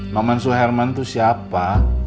maman suherman itu siapa